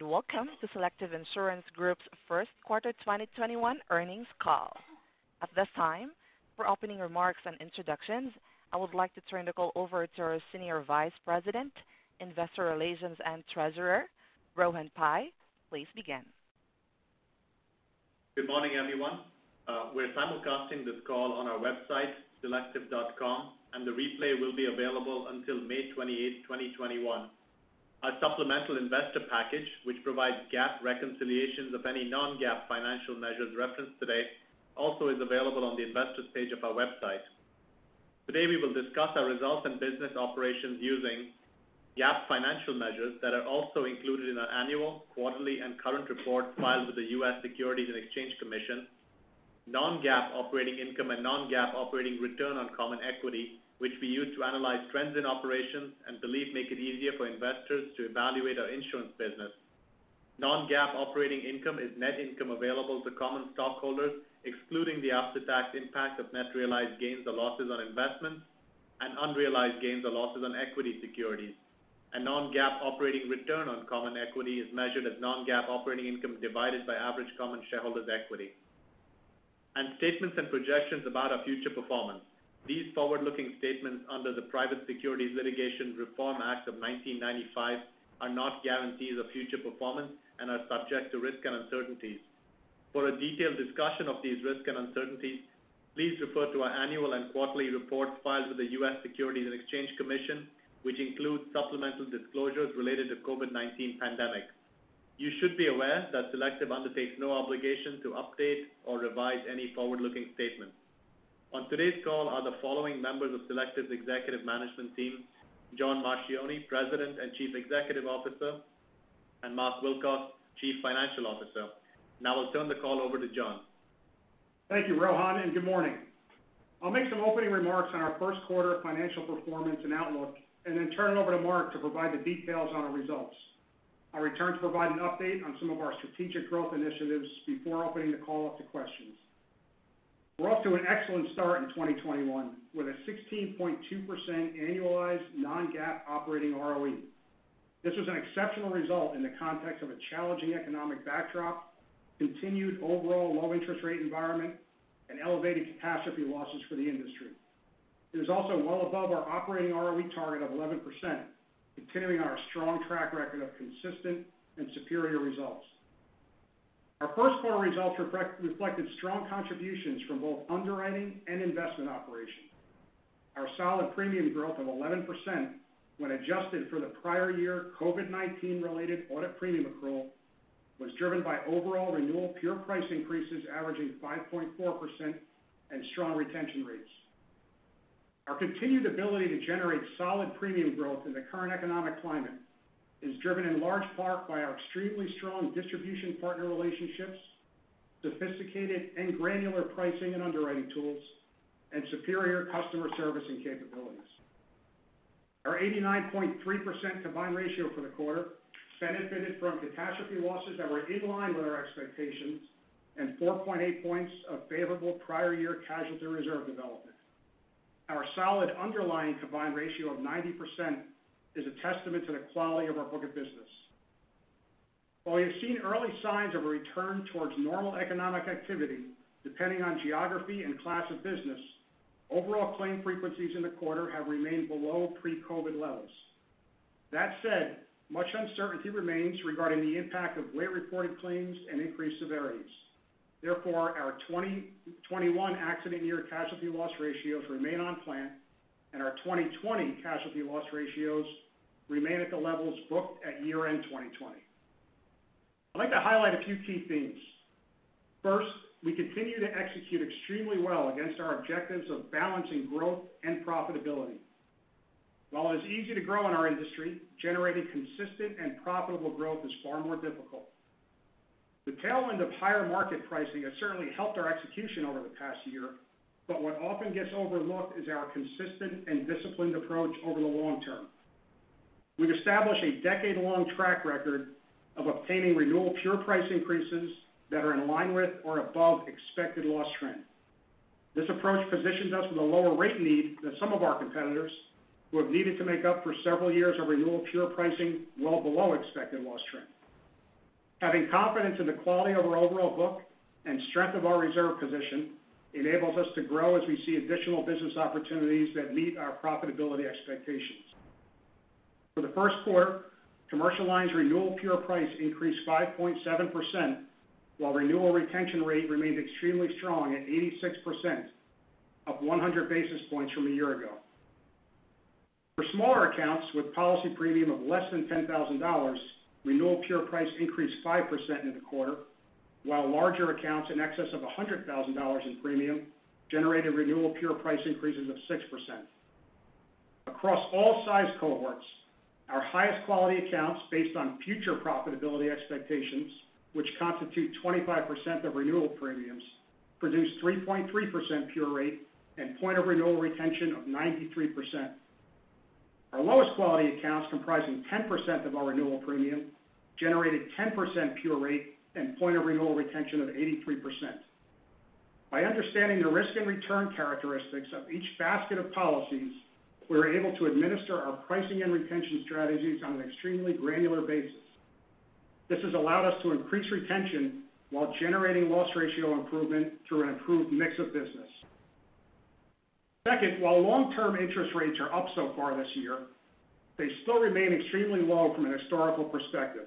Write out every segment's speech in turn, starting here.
Welcome to Selective Insurance Group's first quarter 2021 earnings call. At this time, for opening remarks and introductions, I would like to turn the call over to our Senior Vice President, Investor Relations and Treasurer, Rohan Pai. Please begin. Good morning, everyone. We're simulcasting this call on our website, selective.com, and the replay will be available until May 28th, 2021. Our supplemental investor package, which provides GAAP reconciliations of any non-GAAP financial measures referenced today, also is available on the Investors page of our website. Today, we will discuss our results and business operations using GAAP financial measures that are also included in our annual, quarterly, and current reports filed with the U.S. Securities and Exchange Commission, non-GAAP operating income, and non-GAAP operating return on common equity, which we use to analyze trends in operations and believe make it easier for investors to evaluate our insurance business. Non-GAAP operating income is net income available to common stockholders, excluding the after-tax impact of net realized gains or losses on investments and unrealized gains or losses on equity securities. A non-GAAP operating return on common equity is measured as non-GAAP operating income divided by average common shareholders' equity. Statements and projections about our future performance: These forward-looking statements under the Private Securities Litigation Reform Act of 1995 are not guarantees of future performance and are subject to risks and uncertainties. For a detailed discussion of these risks and uncertainties, please refer to our annual and quarterly reports filed with the U.S. Securities and Exchange Commission, which include supplemental disclosures related to COVID-19 pandemic. You should be aware that Selective undertakes no obligation to update or revise any forward-looking statements. On today's call are the following members of Selective's executive management team, John Marchioni, President and Chief Executive Officer, and Mark Wilcox, Chief Financial Officer. Now I'll turn the call over to John. Thank you, Rohan, and good morning. I'll make some opening remarks on our first quarter financial performance and outlook and then turn it over to Mark to provide the details on our results. I'll return to provide an update on some of our strategic growth initiatives before opening the call up to questions. We're off to an excellent start in 2021, with a 16.2% annualized non-GAAP operating ROE. This was an exceptional result in the context of a challenging economic backdrop, continued overall low interest rate environment, and elevated catastrophe losses for the industry. It is also well above our operating ROE target of 11%, continuing our strong track record of consistent and superior results. Our first quarter results reflected strong contributions from both underwriting and investment operations. Our solid premium growth of 11%, when adjusted for the prior year COVID-19 related audit premium accrual, was driven by overall renewal pure price increases averaging 5.4% and strong retention rates. Our continued ability to generate solid premium growth in the current economic climate is driven in large part by our extremely strong distribution partner relationships, sophisticated and granular pricing and underwriting tools, and superior customer service and capabilities. Our 89.3% combined ratio for the quarter benefited from catastrophe losses that were in line with our expectations and 4.8 points of favorable prior year casualty reserve development. Our solid underlying combined ratio of 90% is a testament to the quality of our book of business. While we have seen early signs of a return towards normal economic activity, depending on geography and class of business, overall claim frequencies in the quarter have remained below pre-COVID levels. That said, much uncertainty remains regarding the impact of late-reported claims and increased severities. Our 2021 accident year casualty loss ratios remain on plan, and our 2020 casualty loss ratios remain at the levels booked at year-end 2020. I'd like to highlight a few key themes. First, we continue to execute extremely well against our objectives of balancing growth and profitability. While it's easy to grow in our industry, generating consistent and profitable growth is far more difficult. The tailwind of higher market pricing has certainly helped our execution over the past year, but what often gets overlooked is our consistent and disciplined approach over the long term. We've established a decade-long track record of obtaining renewal pure price increases that are in line with or above expected loss trends. This approach positions us with a lower rate need than some of our competitors who have needed to make up for several years of renewal pure pricing well below expected loss trends. Having confidence in the quality of our overall book and strength of our reserve position enables us to grow as we see additional business opportunities that meet our profitability expectations. For the first quarter, Commercial Lines renewal pure price increased 5.7%, while renewal retention rate remained extremely strong at 86%, up 100 basis points from a year ago. For smaller accounts with policy premium of less than $10,000, renewal pure price increased 5% in the quarter, while larger accounts in excess of $100,000 in premium generated renewal pure price increases of 6%. Across all size cohorts, our highest quality accounts based on future profitability expectations, which constitute 25% of renewal premiums, produced 3.3% pure rate and point of renewal retention of 93%. Our lowest quality accounts, comprising 10% of our renewal premium, generated 10% pure rate and point of renewal retention of 83%. By understanding the risk and return characteristics of each basket of policies, we're able to administer our pricing and retention strategies on an extremely granular basis. This has allowed us to increase retention while generating loss ratio improvement through an improved mix of business. Second, while long-term interest rates are up so far this year, they still remain extremely low from an historical perspective.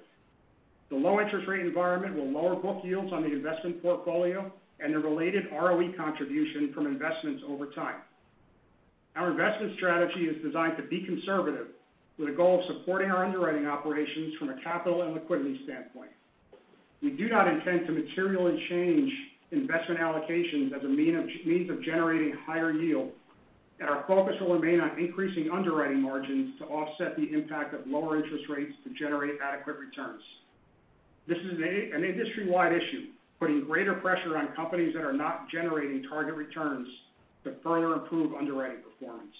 The low interest rate environment will lower book yields on the investment portfolio and the related ROE contribution from investments over time. Our investment strategy is designed to be conservative, with a goal of supporting our underwriting operations from a capital and liquidity standpoint. We do not intend to materially change investment allocations as a means of generating higher yield, and our focus will remain on increasing underwriting margins to offset the impact of lower interest rates to generate adequate returns. This is an industry-wide issue, putting greater pressure on companies that are not generating target returns to further improve underwriting performance.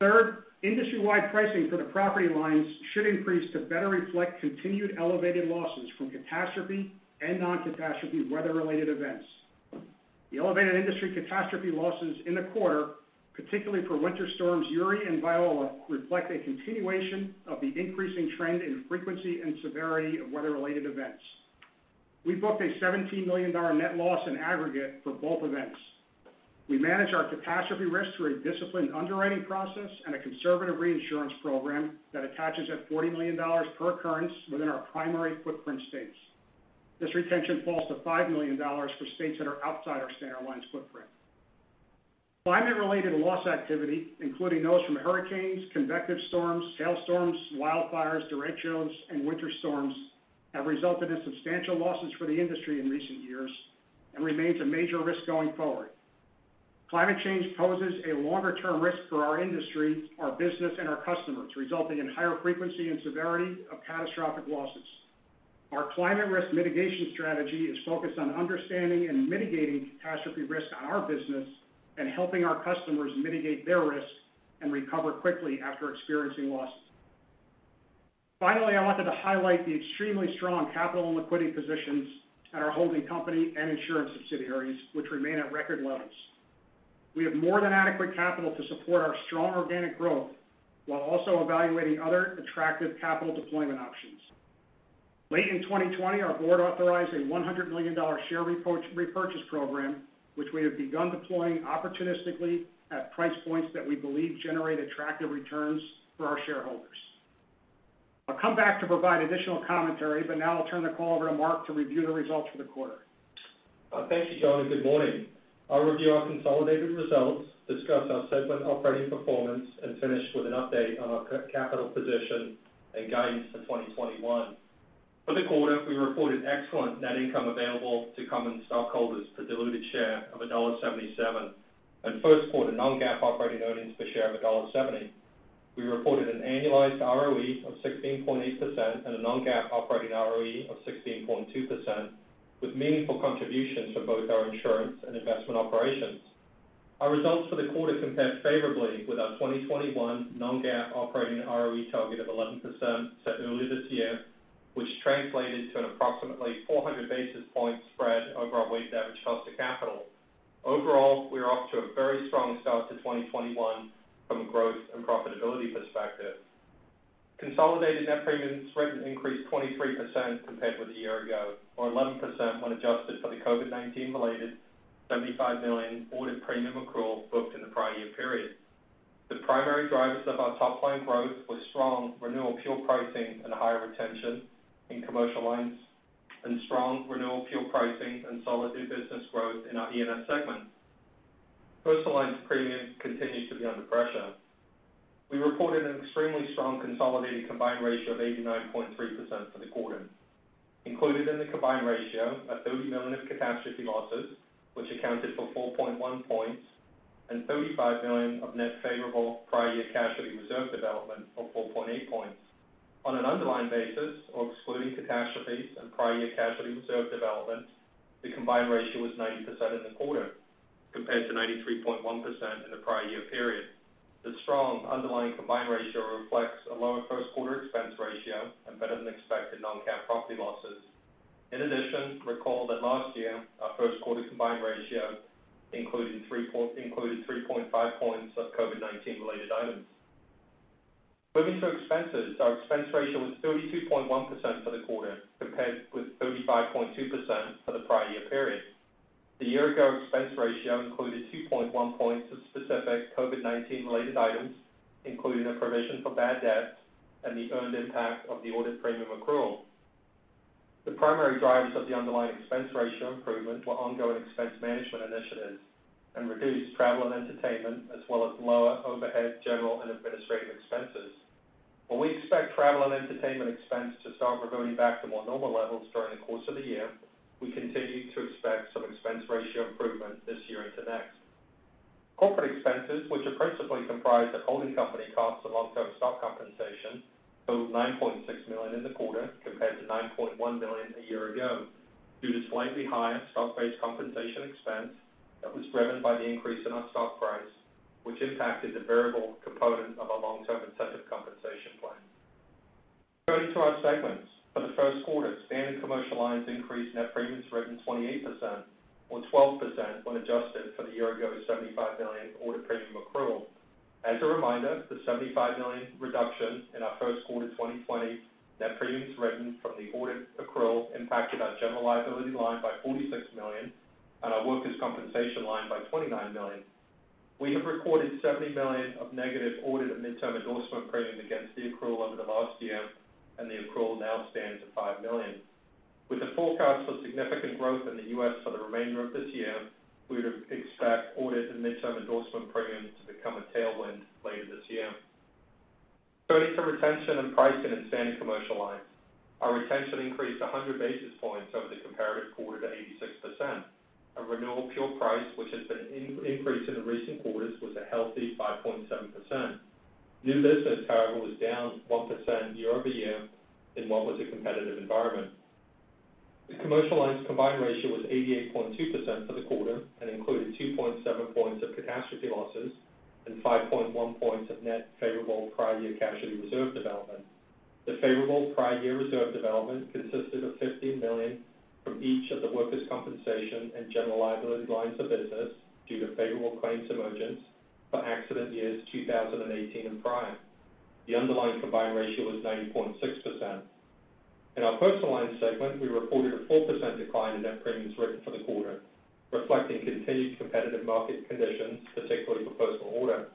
Third, industry-wide pricing for the property lines should increase to better reflect continued elevated losses from catastrophe and non-catastrophe weather-related events. The elevated industry catastrophe losses in the quarter, particularly for Winter Storms Uri and Viola, reflect a continuation of the increasing trend in frequency and severity of weather-related events. We booked a $17 million net loss in aggregate for both events. We manage our catastrophe risk through a disciplined underwriting process and a conservative reinsurance program that attaches at $40 million per occurrence within our primary footprint states. This retention falls to $5 million for states that are outside our standard lines footprint. Climate-related loss activity, including those from hurricanes, convective storms, hailstorms, wildfires, derechos, and winter storms, have resulted in substantial losses for the industry in recent years and remains a major risk going forward. Climate change poses a longer-term risk for our industry, our business, and our customers, resulting in higher frequency and severity of catastrophic losses. Our climate risk mitigation strategy is focused on understanding and mitigating catastrophe risk on our business and helping our customers mitigate their risks and recover quickly after experiencing losses. Finally, I wanted to highlight the extremely strong capital and liquidity positions at our holding company and insurance subsidiaries, which remain at record levels. We have more than adequate capital to support our strong organic growth while also evaluating other attractive capital deployment options. Late in 2020, our board authorized a $100 million share repurchase program, which we have begun deploying opportunistically at price points that we believe generate attractive returns for our shareholders. I'll come back to provide additional commentary, but now I'll turn the call over to Mark to review the results for the quarter. Thank you, John. Good morning. I'll review our consolidated results, discuss our segment operating performance, and finish with an update on our capital position and guidance for 2021. For the quarter, we reported excellent net income available to common stockholders for diluted share of $1.77 and first quarter non-GAAP operating earnings per share of $1.70. We reported an annualized ROE of 16.8% and a non-GAAP operating ROE of 16.2%, with meaningful contributions from both our insurance and investment operations. Our results for the quarter compared favorably with our 2021 non-GAAP operating ROE target of 11% set earlier this year, which translated to an approximately 400 basis point spread over our weighted average cost of capital. Overall, we're off to a very strong start to 2021 from a growth and profitability perspective. Consolidated net premiums written increased 23% compared with a year ago, or 11% when adjusted for the COVID-19 related $75 million audit premium accrual booked in the prior year period. The primary drivers of our top line growth were strong renewal pure pricing and higher retention in Commercial Lines and strong renewal pure pricing and solid new business growth in our E&S segment. Personal Lines premium continues to be under pressure. We reported an extremely strong consolidated combined ratio of 89.3% for the quarter. Included in the combined ratio are $30 million of catastrophe losses, which accounted for 4.1 points, and $35 million of net favorable prior year casualty reserve development of 4.8 points. On an underlying basis of excluding catastrophes and prior year casualty reserve development, the combined ratio was 90% in the quarter compared to 93.1% in the prior year period. The strong underlying combined ratio reflects a lower first quarter expense ratio and better-than-expected non-cat property losses. In addition, recall that last year, our first quarter combined ratio included 3.5 points of COVID-19 related items. Moving to expenses, our expense ratio was 32.1% for the quarter, compared with 35.2% for the prior year period. The year-ago expense ratio included 2.1 points of specific COVID-19 related items, including a provision for bad debts and the earned impact of the audit premium accrual. The primary drivers of the underlying expense ratio improvement were ongoing expense management initiatives and reduced travel and entertainment, as well as lower overhead general and administrative expenses. While we expect travel and entertainment expense to start reverting back to more normal levels during the course of the year, we continue to expect some expense ratio improvement this year into next. Corporate expenses, which are principally comprised of holding company costs and long-term stock compensation, totaled $9.6 million in the quarter compared to $9.1 million a year ago due to slightly higher stock-based compensation expense that was driven by the increase in our stock price, which impacted the variable component of our long-term incentive compensation plan. Turning to our segments. For the first quarter, Standard Commercial Lines increased net premiums written 28%, or 12% when adjusted for the year ago $75 million audit premium accrual. As a reminder, the $75 million reduction in our first quarter 2020 net premiums written from the audit accrual impacted our General Liability line by $46 million and our Workers' Compensation line by $29 million. We have recorded $70 million of negative audit and midterm endorsement premiums against the accrual over the last year, and the accrual now stands at $5 million. With the forecast for significant growth in the U.S. for the remainder of this year, we would expect audit and midterm endorsement premiums to become a tailwind later this year. Turning to retention and pricing in Standard Commercial Lines. Our retention increased 100 basis points over the comparative quarter to 86%. Our renewal pure price, which has been increased in the recent quarters, was a healthy 5.7%. New business, however, was down 1% year-over-year in what was a competitive environment. The Commercial Lines combined ratio was 88.2% for the quarter and included 2.7 points of catastrophe losses and 5.1 points of net favorable prior year casualty reserve development. The favorable prior year reserve development consisted of $15 million from each of the Workers' Compensation and General Liability lines of business due to favorable claims emergence for accident years 2018 and prior. The underlying combined ratio was 90.6%. In our Personal Lines segment, we reported a 4% decline in net premiums written for the quarter, reflecting continued competitive market conditions, particularly for personal auto.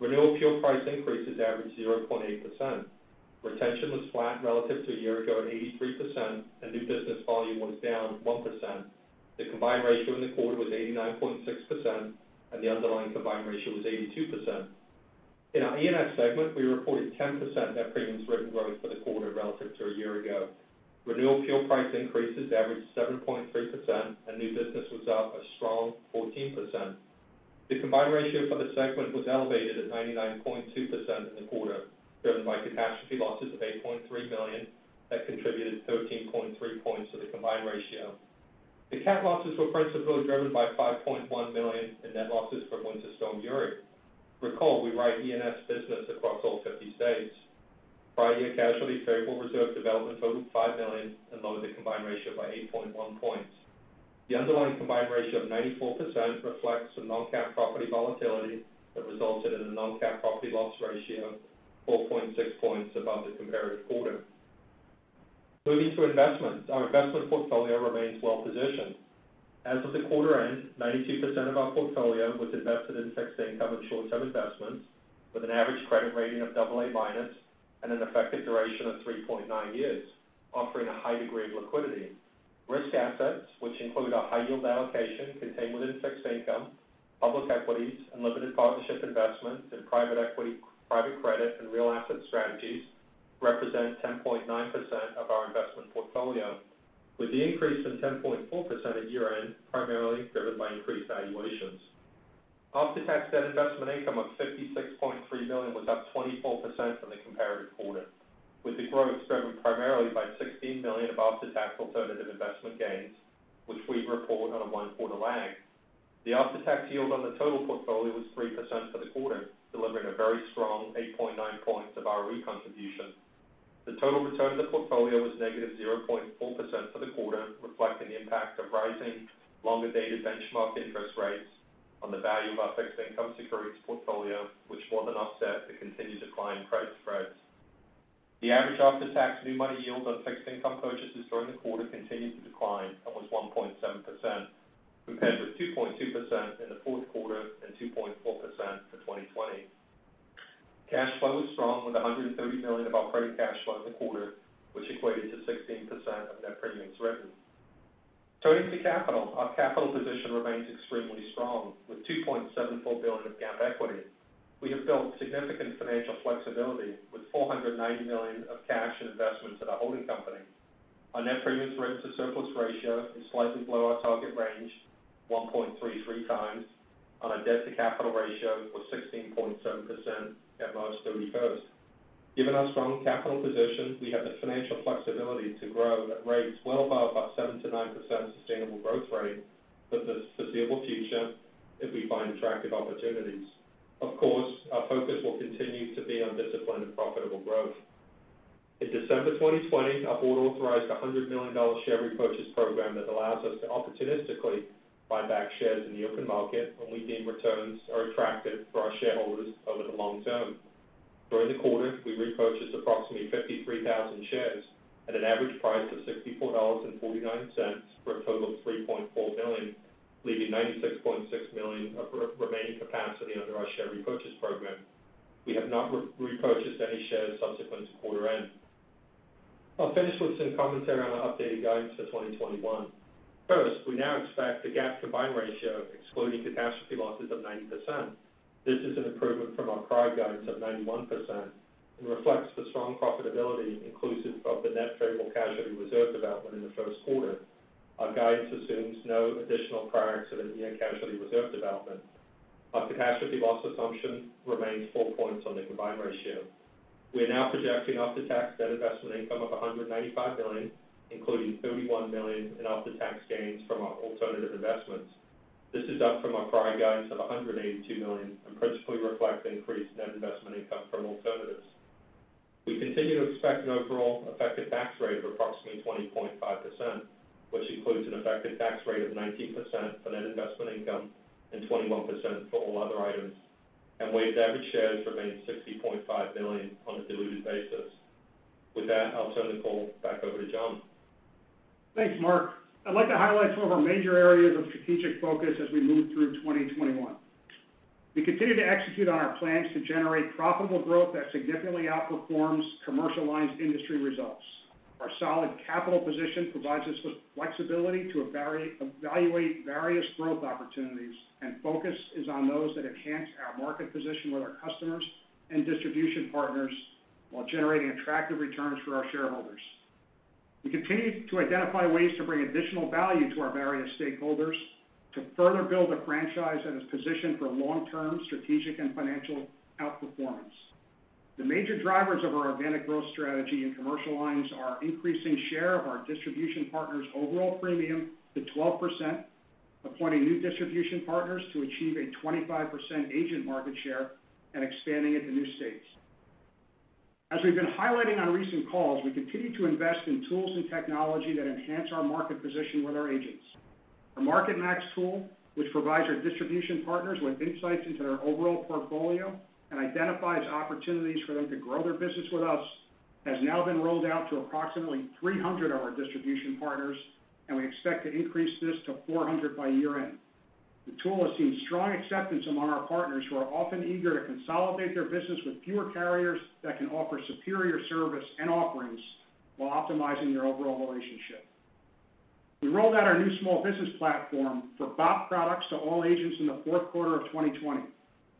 Renewal pure price increases averaged 0.8%. Retention was flat relative to a year ago at 83%, and new business volume was down 1%. The combined ratio in the quarter was 89.6%, and the underlying combined ratio was 82%. In our E&S segment, we reported 10% net premiums written growth for the quarter relative to a year ago. Renewal pure price increases averaged 7.3%, and new business was up a strong 14%. The combined ratio for the segment was elevated at 99.2% in the quarter, driven by catastrophe losses of $8.3 million that contributed 13.3 points to the combined ratio. The cat losses were principally driven by $5.1 million in net losses from Winter Storm Uri. Recall, we write E&S's business across all 50 states. Prior year casualty favorable reserve development totaled $5 million and lowered the combined ratio by 8.1 points. The underlying combined ratio of 94% reflects the non-cat property volatility that resulted in a non-cat property loss ratio 4.6 points above the comparative quarter. Moving to investments. Our investment portfolio remains well-positioned. As of the quarter end, 92% of our portfolio was invested in fixed income and short-term investments with an average credit rating of AA- and an effective duration of 3.9 years, offering a high degree of liquidity. Risk assets, which include our high yield allocation contained within fixed income, public equities, and limited partnership investments in private equity, private credit, and real asset strategies, represent 10.9% of our investment portfolio, with the increase in 10.4% at year-end primarily driven by increased valuations. After-tax debt investment income of $56.3 million was up 24% from the comparative quarter, with the growth driven primarily by $16 million of after-tax alternative investment gains, which we report on a one-quarter lag. The after-tax yield on the total portfolio was 3% for the quarter, delivering a very strong 8.9 points of ROE contribution. The total return of the portfolio was negative 0.4% for the quarter, reflecting the impact of rising longer-dated benchmark interest rates on the value of our fixed income securities portfolio, which more than offset the continued decline in credit spreads. The average after-tax new money yield on fixed income purchases during the quarter continued to decline and was 1.7%, compared with 2.2% in the fourth quarter and 2.4% for 2020. Cash flow was strong with $130 million of operating cash flow in the quarter, which equated to 16% of net premiums written. Turning to capital. Our capital position remains extremely strong with $2.74 billion of GAAP equity. We have built significant financial flexibility with $490 million of cash and investments at our holding company. Our net premiums written to surplus ratio is slightly below our target range, 1.33 times, and our debt to capital ratio was 16.7% at March 31st. Given our strong capital position, we have the financial flexibility to grow at rates well above our 7%-9% sustainable growth rate for the foreseeable future if we find attractive opportunities. Of course, our focus will continue to be on disciplined and profitable growth. In December 2020, our board authorized a $100 million share repurchase program that allows us to opportunistically buy back shares in the open market when we deem returns are attractive for our shareholders over the long term. During the quarter, we repurchased approximately 53,000 shares at an average price of $64.49 for a total of $3.4 million, leaving $96.6 million of remaining capacity under our share repurchase program. We have not repurchased any shares subsequent to quarter end. I'll finish with some commentary on our updated guidance for 2021. First, we now expect the GAAP combined ratio excluding catastrophe losses of 90%. This is an improvement from our prior guidance of 91% and reflects the strong profitability inclusive of the net favorable casualty reserve development in the first quarter. Our guidance assumes no additional prior accident year casualty reserve development. Our catastrophe loss assumption remains four points on the combined ratio. We are now projecting after-tax debt investment income of $195 million, including $31 million in after-tax gains from our alternative investments. This is up from our prior guidance of $182 million and principally reflects increased net investment income from alternatives. We continue to expect an overall effective tax rate of approximately 20.5%, which includes an effective tax rate of 19% for net investment income and 21% for all other items, and weighted average shares remain 60.5 million on a diluted basis. With that, I'll turn the call back over to John. Thanks, Mark. I'd like to highlight some of our major areas of strategic focus as we move through 2021. We continue to execute on our plans to generate profitable growth that significantly outperforms Commercial Lines industry results. Our solid capital position provides us with flexibility to evaluate various growth opportunities, and focus is on those that enhance our market position with our customers and distribution partners while generating attractive returns for our shareholders. We continue to identify ways to bring additional value to our various stakeholders to further build a franchise that is positioned for long-term strategic and financial outperformance. The major drivers of our organic growth strategy in Commercial Lines are increasing share of our distribution partners' overall premium to 12%, appointing new distribution partners to achieve a 25% agent market share, and expanding into new states. As we've been highlighting on recent calls, we continue to invest in tools and technology that enhance our market position with our agents. Our MarketMax tool, which provides our distribution partners with insights into their overall portfolio and identifies opportunities for them to grow their business with us, has now been rolled out to approximately 300 of our distribution partners, and we expect to increase this to 400 by year-end. The tool has seen strong acceptance among our partners, who are often eager to consolidate their business with fewer carriers that can offer superior service and offerings while optimizing their overall relationship. We rolled out our new small business platform for BOP products to all agents in the fourth quarter of 2020.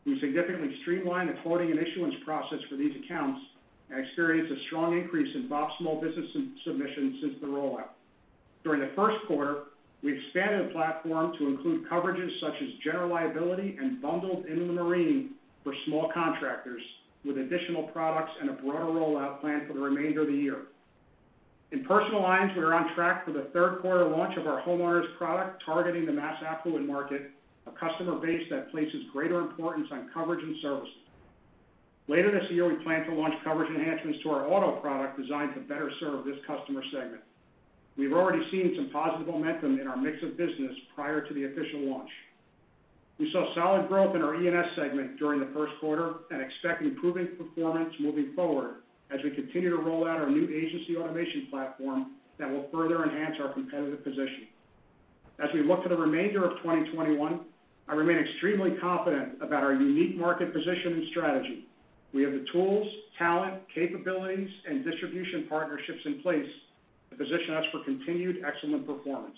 We significantly streamlined the quoting and issuance process for these accounts and experienced a strong increase in BOP small business submissions since the rollout. During the first quarter, we expanded the platform to include coverages such as General Liability and bundled Inland Marine for small contractors, with additional products and a broader rollout planned for the remainder of the year. In Personal Lines, we are on track for the third quarter launch of our homeowners product targeting the mass affluent market, a customer base that places greater importance on coverage and service. Later this year, we plan to launch coverage enhancements to our auto product designed to better serve this customer segment. We've already seen some positive momentum in our mix of business prior to the official launch. We saw solid growth in our E&S segment during the first quarter and expect improving performance moving forward as we continue to roll out our new agency automation platform that will further enhance our competitive position. We look to the remainder of 2021, I remain extremely confident about our unique market position and strategy. We have the tools, talent, capabilities, and distribution partnerships in place to position us for continued excellent performance.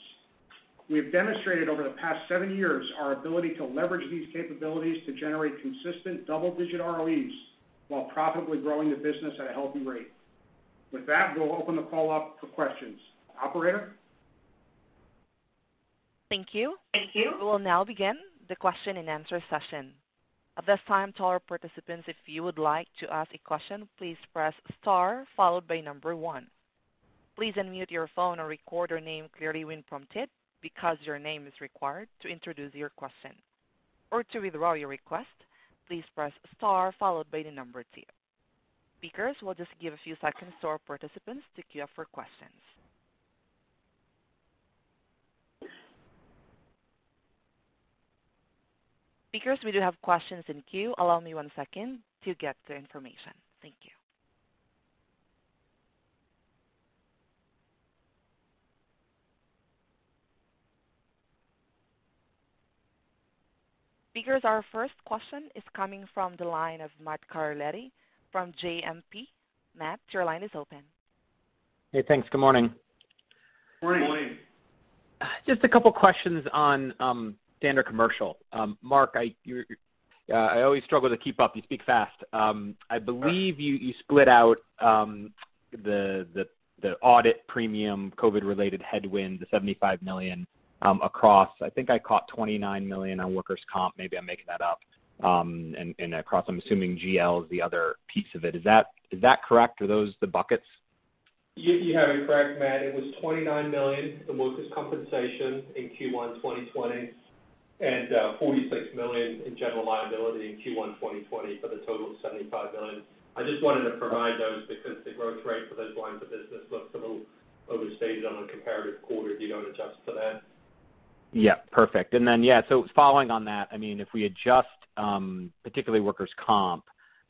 We have demonstrated over the past seven years our ability to leverage these capabilities to generate consistent double-digit ROEs while profitably growing the business at a healthy rate. We'll open the call up for questions. Operator? Thank you. We will now begin the question-and-answer session. At this time, to all our participants, if you would like to ask a question, please press star followed by number one. Please unmute your phone and record your name clearly when prompted, because your name is required to introduce your question. Or to withdraw your request, please press star followed by number two. Speakers, we'll just give a few seconds to our participants to queue up for questions. Speakers, we do have questions in queue. Allow me one second to get the information. Thank you. Speakers, our first question is coming from the line of Matt Carletti from JMP. Matt, your line is open. Hey, thanks. Good morning. Morning. Morning. Just a couple questions on Standard Commercial Lines. Mark, I always struggle to keep up. You speak fast. I believe you split out the audit premium, COVID-19-related headwind, the $75 million across, I think I caught $29 million on Workers' Comp, maybe I'm making that up, and across, I'm assuming GL is the other piece of it. Is that correct? Are those the buckets? You have it correct, Matt. It was $29 million for Workers' Compensation in Q1 2020, and $46 million in General Liability in Q1 2020 for the total of $75 million. I just wanted to provide those because the growth rate for those lines of business looks a little overstated on a comparative quarter if you don't adjust for that. Yeah. Perfect. Following on that, if we adjust, particularly Workers' Comp,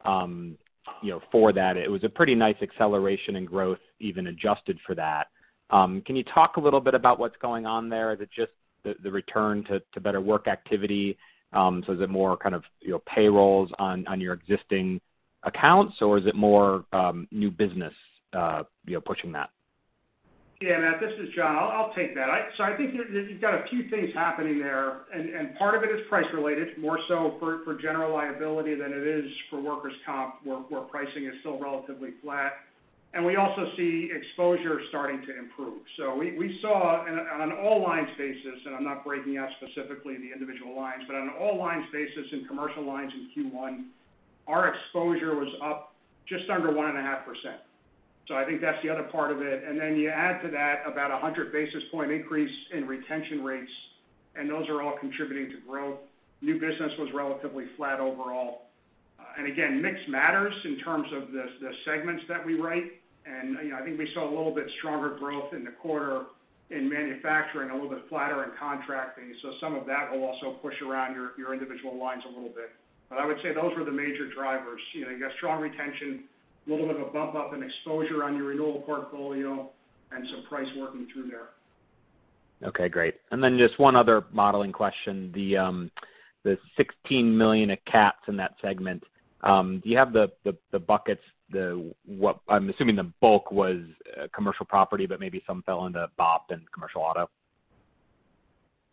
for that, it was a pretty nice acceleration in growth, even adjusted for that. Can you talk a little bit about what's going on there? Is it just the return to better work activity? Is it more kind of payrolls on your existing accounts, or is it more new business pushing that? Yeah, Matt, this is John. I'll take that. I think you've got a few things happening there, and part of it is price related, more so for General Liability than it is for Workers' Comp, where pricing is still relatively flat. We also see exposure starting to improve. We saw on an all lines basis, and I'm not breaking out specifically the individual lines, but on an all lines basis in Commercial Lines in Q1, our exposure was up just under 1.5%. I think that's the other part of it. You add to that about 100 basis point increase in retention rates, and those are all contributing to growth. New business was relatively flat overall. Again, mix matters in terms of the segments that we write. I think we saw a little bit stronger growth in the quarter in manufacturing, a little bit flatter in contracting. Some of that will also push around your individual lines a little bit. I would say those were the major drivers. You got strong retention, little bit of a bump up in exposure on your renewal portfolio, and some price working through there. Okay, great. Then just one other modeling question. The $16 million of CATs in that segment, do you have the buckets? I'm assuming the bulk was Commercial Property, but maybe some fell into BOP and Commercial Auto.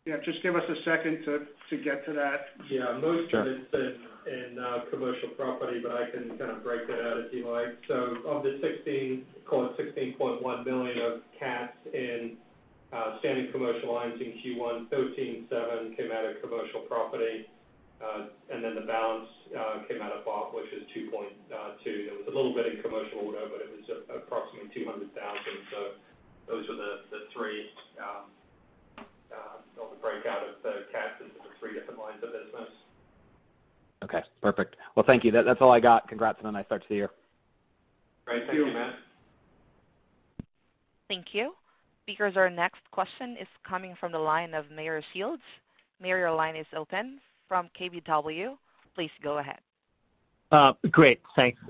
Yeah, just give us a second to get to that. Yeah. Most of it's in Commercial Property, but I can kind of break that out if you like. Of the call it $16.1 million of CATs in Standard Commercial Lines in Q1, $13.7 came out of Commercial Property. Then the balance came out of BOP, which is $2.2. There was a little bit in Commercial Auto, but it was approximately $200,000. Those are the three on the breakout of the CATs into the three different lines of business. Okay, perfect. Well, thank you. That's all I got. Congrats on a nice start to the year. Thank you. Great. Thank you. Thank you. Speakers, our next question is coming from the line of Meyer Shields. Meyer, your line is open from KBW. Please go ahead. Great, thanks.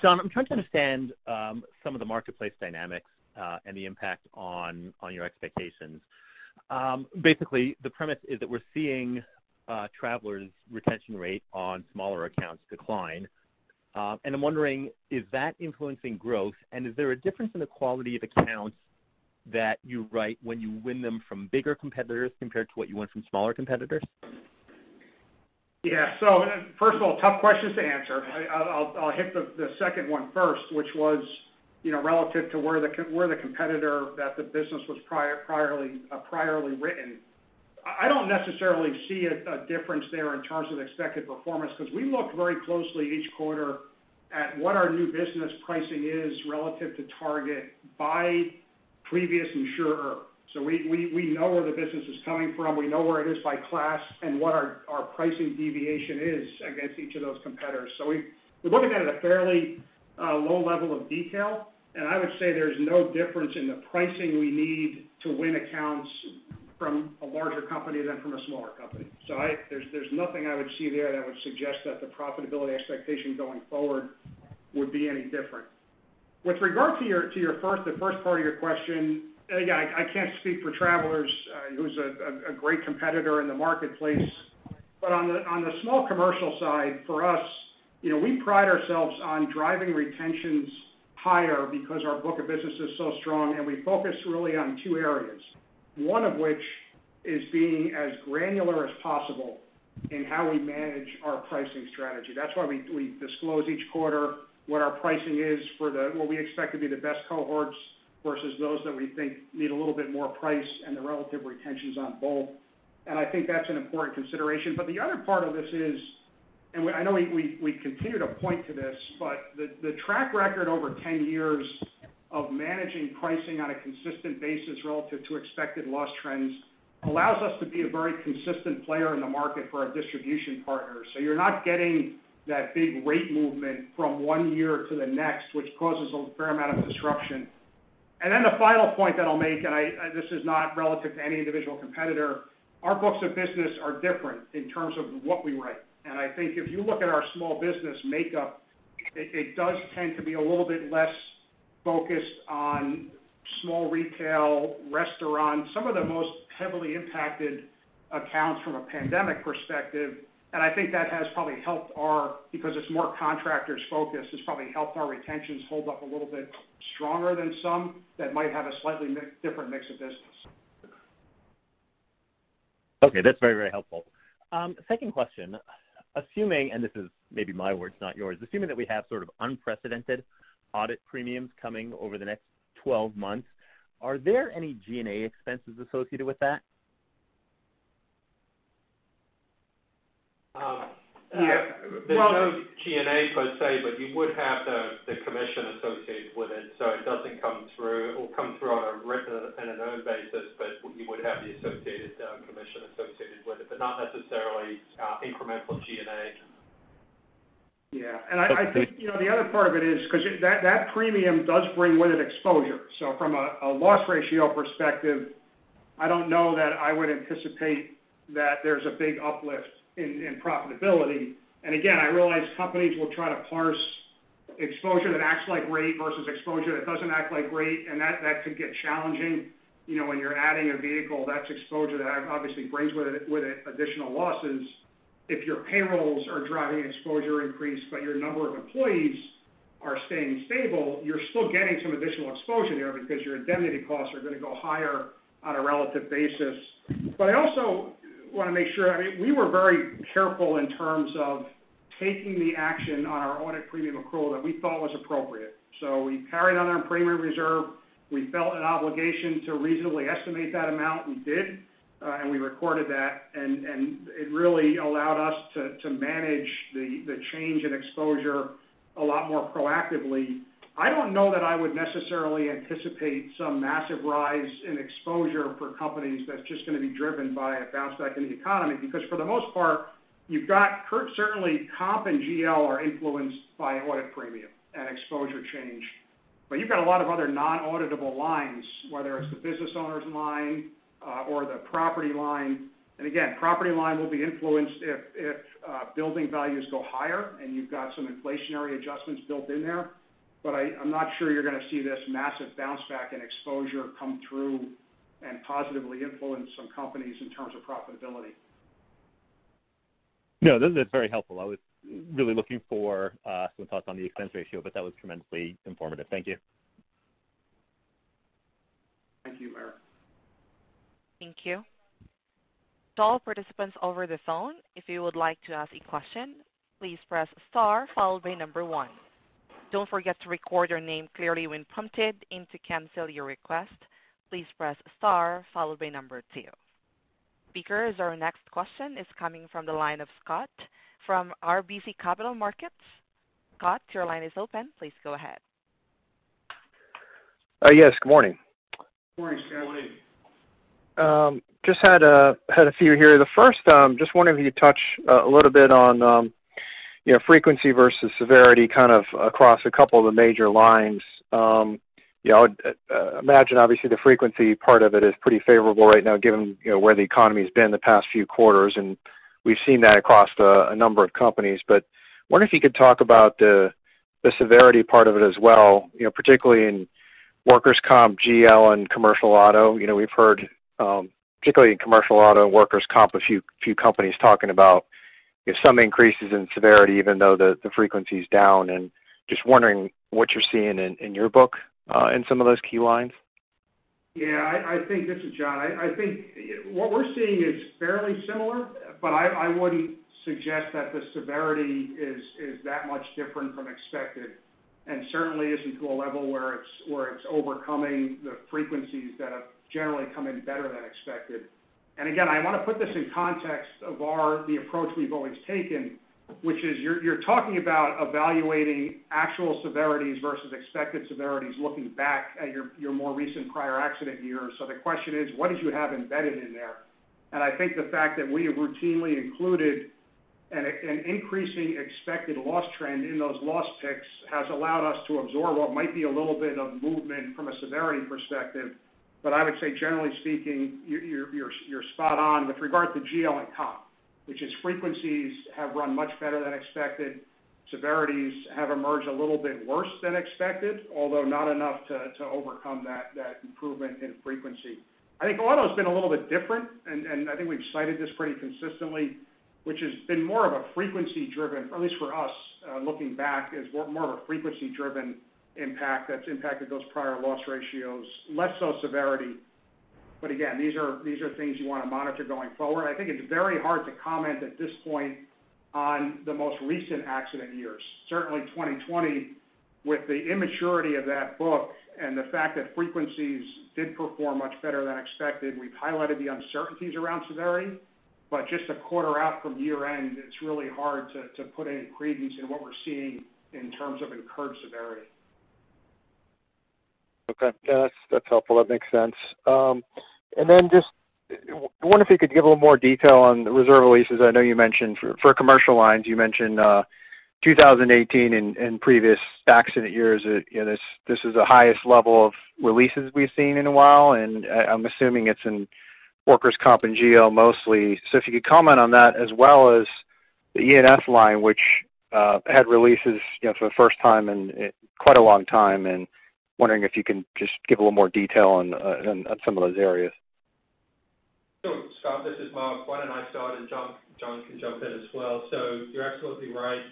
John, I'm trying to understand some of the marketplace dynamics, and the impact on your expectations. Basically, the premise is that we're seeing Travelers' retention rate on smaller accounts decline. I'm wondering, is that influencing growth, and is there a difference in the quality of accounts that you write when you win them from bigger competitors compared to what you won from smaller competitors? Yeah. First of all, tough questions to answer. I'll hit the second one first, which was, relative to where the competitor that the business was priorly written. I don't necessarily see a difference there in terms of expected performance, because we look very closely each quarter at what our new business pricing is relative to target by previous insurer. We know where the business is coming from, we know where it is by class, and what our pricing deviation is against each of those competitors. We're looking at it at a fairly low level of detail, and I would say there's no difference in the pricing we need to win accounts from a larger company than from a smaller company. There's nothing I would see there that would suggest that the profitability expectation going forward would be any different. With regard to the first part of your question, again, I can't speak for Travelers, who's a great competitor in the marketplace. On the small commercial side for us, we pride ourselves on driving retentions higher because our book of business is so strong, and we focus really on two areas. One of which is being as granular as possible in how we manage our pricing strategy. That's why we disclose each quarter what our pricing is for what we expect to be the best cohorts versus those that we think need a little bit more price and the relative retentions on both. I think that's an important consideration. The other part of this is, and I know we continue to point to this, but the track record over 10 years of managing pricing on a consistent basis relative to expected loss trends allows us to be a very consistent player in the market for our distribution partners. You're not getting that big rate movement from one year to the next, which causes a fair amount of disruption. Then the final point that I'll make, and this is not relative to any individual competitor. Our books of business are different in terms of what we write, and I think if you look at our small business makeup, it does tend to be a little bit less focused on small retail, restaurants, some of the most heavily impacted accounts from a pandemic perspective. I think that has probably helped our because it's more contractors focused, it's probably helped our retentions hold up a little bit stronger than some that might have a slightly different mix of business. Okay. That's very, very helpful. Second question. Assuming, and this is maybe my words, not yours, assuming that we have sort of unprecedented audit premiums coming over the next 12 months, are there any G&A expenses associated with that? There's no G&A per se, but you would have the commission associated with it, so it doesn't come through. It will come through on a written and an earned basis, but you would have the associated commission associated with it, but not necessarily incremental G&A. Yeah. I think the other part of it is because that premium does bring with it exposure. From a loss ratio perspective, I don't know that I would anticipate that there's a big uplift in profitability. Again, I realize companies will try to parse exposure that acts like rate versus exposure that doesn't act like rate, and that could get challenging. When you're adding a vehicle, that's exposure that obviously brings with it additional losses. If your payrolls are driving exposure increase, but your number of employees are staying stable, you're still getting some additional exposure there because your indemnity costs are going to go higher on a relative basis. I also want to make sure, we were very careful in terms of taking the action on our audit premium accrual that we thought was appropriate. We carried on our premium reserve. We felt an obligation to reasonably estimate that amount. We did. We recorded that, and it really allowed us to manage the change in exposure a lot more proactively. I don't know that I would necessarily anticipate some massive rise in exposure for companies that's just going to be driven by a bounce back in the economy. For the most part, you've got certainly comp and GL are influenced by audit premium and exposure change. You've got a lot of other non-auditable lines, whether it's the business owner's line or the property line. Again, property line will be influenced if building values go higher and you've got some inflationary adjustments built in there. I'm not sure you're going to see this massive bounce back in exposure come through and positively influence some companies in terms of profitability. This is very helpful. I was really looking for some thoughts on the expense ratio. That was tremendously informative. Thank you. Thank you, Meyer. Thank you. To all participants over the phone, if you would like to ask a question, please press star followed by 1. Don't forget to record your name clearly when prompted. To cancel your request, please press star followed by 2. Speakers, our next question is coming from the line of Scott from RBC Capital Markets. Scott, your line is open. Please go ahead. Yes, good morning. Morning, Scott, how are you? Just had a few here. The first, just wondering if you'd touch a little bit on frequency versus severity, kind of across a couple of the major lines. I would imagine, obviously, the frequency part of it is pretty favorable right now, given where the economy's been the past few quarters, and we've seen that across a number of companies. Wonder if you could talk about the severity part of it as well, particularly in Workers' Comp, GL, and Commercial Auto. We've heard, particularly in Commercial Auto and Workers' Comp, a few companies talking about some increases in severity even though the frequency's down. Just wondering what you're seeing in your book in some of those key lines. Yeah. This is John. I think what we're seeing is fairly similar, but I wouldn't suggest that the severity is that much different from expected, and certainly isn't to a level where it's overcoming the frequencies that have generally come in better than expected. Again, I want to put this in context of the approach we've always taken, which is you're talking about evaluating actual severities versus expected severities, looking back at your more recent prior accident years. The question is, what did you have embedded in there? I think the fact that we have routinely included an increasing expected loss trend in those loss picks has allowed us to absorb what might be a little bit of movement from a severity perspective. I would say, generally speaking, you're spot on with regard to GL and Workers' Comp, which is frequencies have run much better than expected. Severities have emerged a little bit worse than expected, although not enough to overcome that improvement in frequency. I think auto's been a little bit different, and I think we've cited this pretty consistently, which has been more of a frequency driven, at least for us, looking back, is more of a frequency driven impact that's impacted those prior loss ratios, less so severity. Again, these are things you want to monitor going forward. I think it's very hard to comment at this point on the most recent accident years. Certainly 2020, with the immaturity of that book and the fact that frequencies did perform much better than expected, we've highlighted the uncertainties around severity. Just a quarter out from year-end, it's really hard to put any credence in what we're seeing in terms of incurred severity. Okay. That's helpful. That makes sense. Then just wonder if you could give a little more detail on the reserve releases. I know you mentioned for Commercial Lines, you mentioned 2018 and previous accident years, this is the highest level of releases we've seen in a while, and I'm assuming it's in workers' comp and GL mostly. If you could comment on that as well as the E&S line, which had releases for the first time in quite a long time, wondering if you can just give a little more detail on some of those areas. Sure, Scott, this is Mark. Why don't I start. John can jump in as well. You're absolutely right.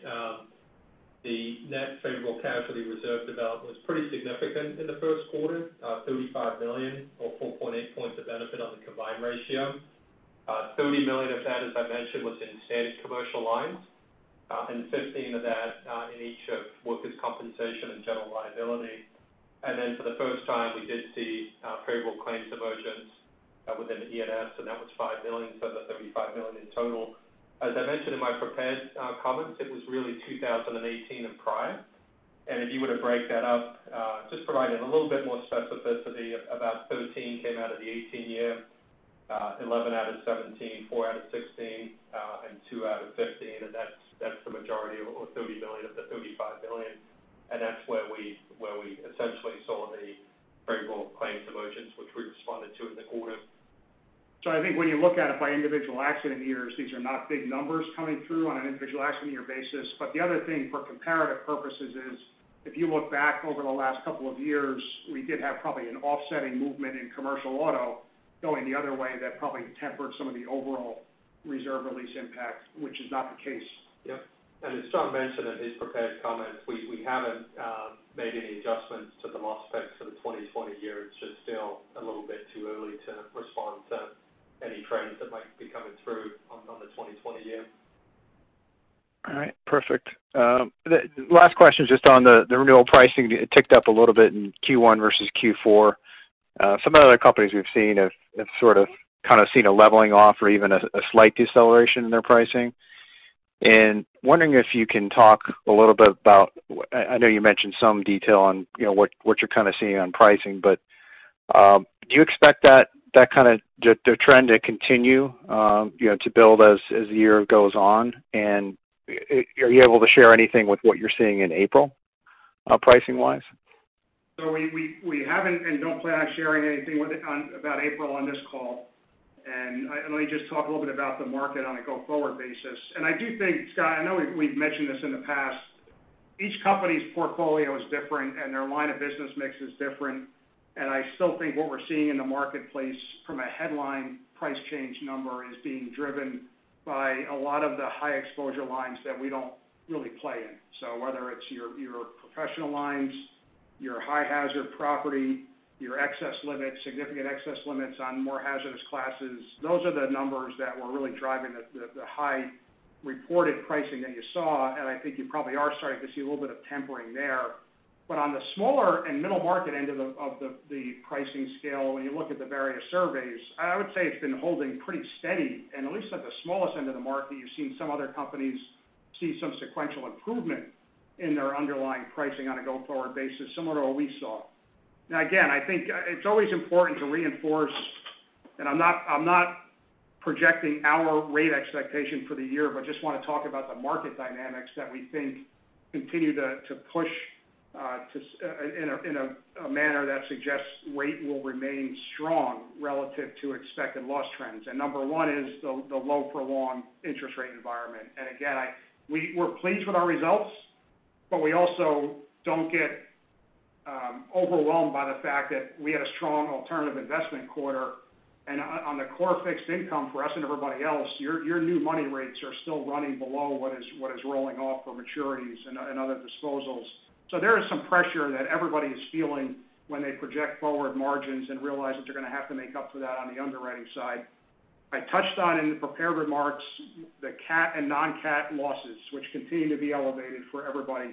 The net favorable casualty reserve development was pretty significant in the first quarter, $35 million or 4.8 points of benefit on the combined ratio. $30 million of that, as I mentioned, was in Standard Commercial Lines, and 15 of that in each of Workers' Compensation and General Liability. Then for the first time, we did see favorable claims emergence within E&S, that was $5 million. The $35 million in total. As I mentioned in my prepared comments, it was really 2018 and prior. If you were to break that up, just providing a little bit more specificity, about 13 came out of the '18 year, 11 out of '17, four out of '16, and two out of '15. That's the majority of the $30 million of the $35 million. That's where we essentially saw the favorable claims emergence, which we responded to in the quarter. I think when you look at it by individual accident years, these are not big numbers coming through on an individual accident year basis. The other thing for comparative purposes is, if you look back over the last couple of years, we did have probably an offsetting movement in Commercial Auto going the other way that probably tempered some of the overall reserve release impact, which is not the case. Yep. As John mentioned in his prepared comments, we haven't made any adjustments to the loss picks for the 2020 year. It's just still a little bit too early to respond to any trends that might be coming through on the 2020 year. All right. Perfect. Last question is just on the renewal pricing. It ticked up a little bit in Q1 versus Q4. Some other companies we've seen have seen a leveling off or even a slight deceleration in their pricing. Wondering if you can talk a little bit about, I know you mentioned some detail on what you're seeing on pricing, but do you expect the trend to continue to build as the year goes on? Are you able to share anything with what you're seeing in April pricing wise? We haven't and don't plan on sharing anything about April on this call. Let me just talk a little bit about the market on a go-forward basis. I do think, Scott, I know we've mentioned this in the past, each company's portfolio is different and their line of business mix is different. I still think what we're seeing in the marketplace from a headline price change number is being driven by a lot of the high exposure lines that we don't really play in. Whether it's your professional lines, your high hazard property, your excess limits, significant excess limits on more hazardous classes, those are the numbers that were really driving the high reported pricing that you saw. I think you probably are starting to see a little bit of tempering there. On the smaller and middle market end of the pricing scale, when you look at the various surveys, I would say it's been holding pretty steady. At least at the smallest end of the market, you've seen some other companies see some sequential improvement in their underlying pricing on a go-forward basis, similar to what we saw. Again, I think it's always important to reinforce, and I'm not projecting our rate expectation for the year, but just want to talk about the market dynamics that we think continue to push in a manner that suggests rate will remain strong relative to expected loss trends. Number one is the low prolonged interest rate environment. And again, we're pleased with our results, but we also don't get overwhelmed by the fact that we had a strong alternative investment quarter. On the core fixed income for us and everybody else, your new money rates are still running below what is rolling off for maturities and other disposals. There is some pressure that everybody is feeling when they project forward margins and realize that they're going to have to make up for that on the underwriting side. I touched on in the prepared remarks, the cat and non-cat losses, which continue to be elevated for everybody.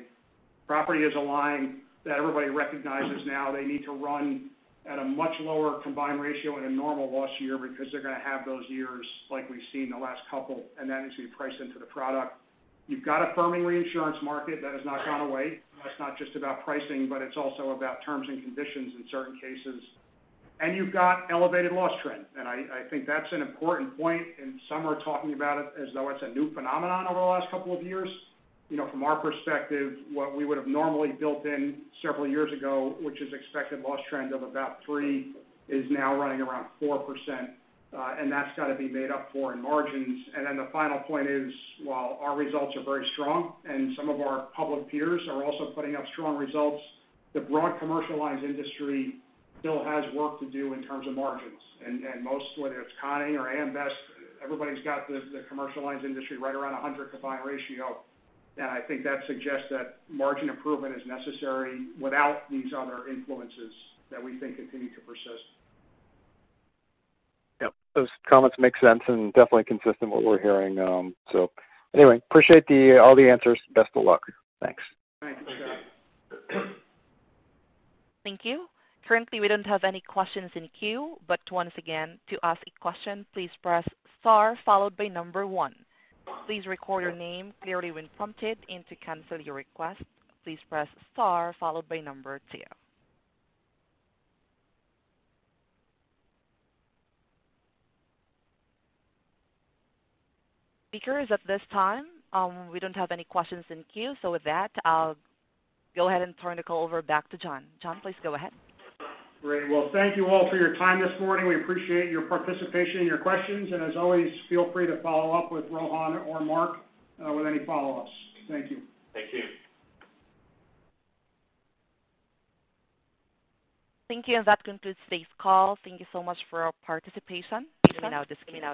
Property is a line that everybody recognizes now. They need to run at a much lower combined ratio in a normal loss year because they're going to have those years like we've seen the last couple, and that needs to be priced into the product. You've got a firming reinsurance market that has not gone away. It's not just about pricing, but it's also about terms and conditions in certain cases. You've got elevated loss trend, and I think that's an important point, and some are talking about it as though it's a new phenomenon over the last couple of years. From our perspective, what we would have normally built in several years ago, which is expected loss trend of about 3%, is now running around 4%, and that's got to be made up for in margins. The final point is, while our results are very strong and some of our public peers are also putting up strong results, the broad Commercial Lines industry still has work to do in terms of margins. Most, whether it's Conning or AM Best, everybody's got the Commercial Lines industry right around 100 combined ratio. I think that suggests that margin improvement is necessary without these other influences that we think continue to persist. Yep. Those comments make sense and definitely consistent with what we're hearing. Anyway, appreciate all the answers. Best of luck. Thanks. All right. Thanks, Scott. Thank you. Currently, we don't have any questions in queue, but once again, to ask a question, please press star followed by number one. Please record your name clearly when prompted, and to cancel your request, please press star followed by number two. Speakers, at this time, we don't have any questions in queue. With that, I'll go ahead and turn the call over back to John. John, please go ahead. Great. Well, thank you all for your time this morning. We appreciate your participation and your questions. As always, feel free to follow up with Rohan or Mark with any follow-ups. Thank you. Thank you. Thank you, and that concludes today's call. Thank you so much for your participation. You can now disconnect